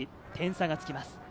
点差がつきます。